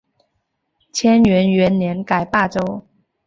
干元元年改霸州。